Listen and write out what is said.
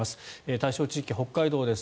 対象地域、北海道です。